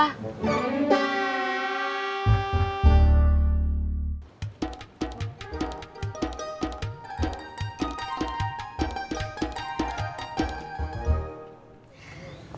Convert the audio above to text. berarti ini punya gua